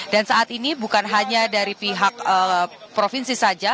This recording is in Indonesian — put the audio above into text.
dan saat ini bukan hanya dari pihak provinsi saja